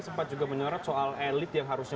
sempat juga menyorot soal elit yang harusnya